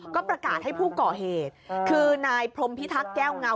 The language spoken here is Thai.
ก็ประกาศให้ผู้ก่อเหตุคือนายพรมพิทักษ์แก้วเงา